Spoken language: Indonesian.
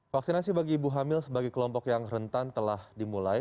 vaksinasi bagi ibu hamil sebagai kelompok yang rentan telah dimulai